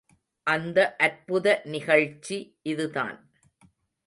அந்த அற்புத நிகழ்ச்சி இதுதான்.